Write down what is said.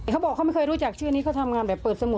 เขาบอกเขาไม่เคยรู้จักชื่อนี้เขาทำงานแบบเปิดสมุด